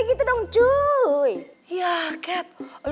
kan harus tau dong cuy gak bisa dadakan kayak gitu kan